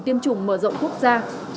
tiêm chủng mở rộng quốc gia